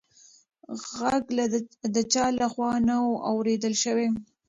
غږ د چا لخوا نه و اورېدل شوې.